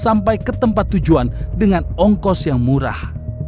sampai ke tempat tujuan dengan ongkos yang murah